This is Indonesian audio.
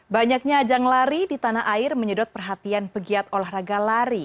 banyaknya ajang lari di tanah air menyedot perhatian pegiat olahraga lari